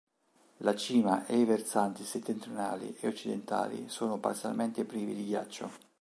La cima e i versanti settentrionali e occidentali sono parzialmente privi di ghiaccio.